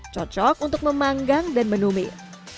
cocok untuk memanggang dan menumit